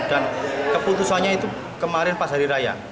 dan keputusannya itu kemarin pas hari raya